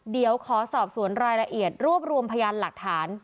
เดี๋ยวขอสอบสวนรายละเอียดรวบรวมพยานหลักฐาน